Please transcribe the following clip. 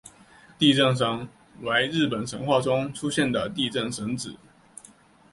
地震神为日本神话中出现的地震神只。